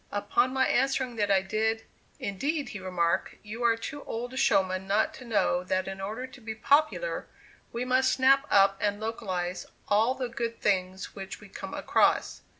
Upon my answering that I did, "indeed," he remarked, "you are too old a showman not to know that in order to be popular, we must snap up and localize all the good things which we come across."